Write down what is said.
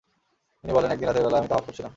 তিনি বলেন, একদিন রাতের বেলায় আমি তাওয়াফ করছিলাম।